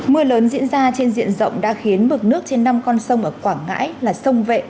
mưa lớn diễn ra trên diện rộng đã khiến mực nước trên năm con sông ở quảng ngãi là sông vệ